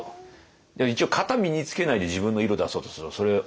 でも一応型身につけないで自分の色出そうとするとそれね。